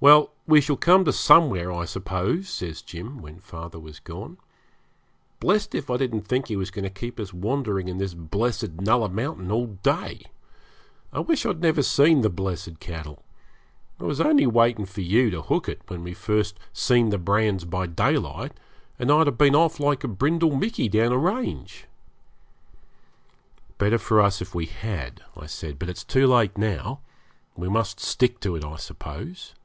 'Well, we shall come to somewhere, I suppose,' says Jim, when father was gone. 'Blest if I didn't think he was going to keep us wandering in this blessed Nulla Mountain all day. I wish I'd never seen the blessed cattle. I was only waiting for you to hook it when we first seen the brands by daylight, and I'd ha' been off like a brindle "Mickey" down a range.' 'Better for us if we had,' I said; 'but it's too late now. We must stick to it, I suppose.'